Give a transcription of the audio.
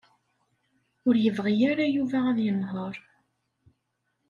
Ur yebɣi ara Yuba ad yenheṛ.